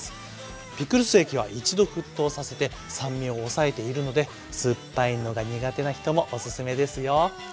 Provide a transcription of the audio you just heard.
ピクルス液は一度沸騰させて酸味を抑えているのですっぱいのが苦手な人もオススメですよ。